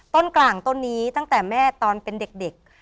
กลางต้นนี้ตั้งแต่แม่ตอนเป็นเด็ก